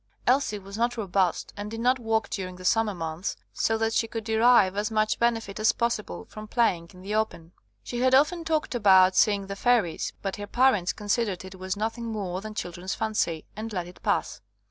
Elsie was not robust, and did not work during the summer months, so that she could derive as much benefit as possible from playing in the open. She had often talked about seeing the fairies, but her parents considered it was 63 THE COMING OF THE FAIRIES nothing more than childish fancy, and let it pass.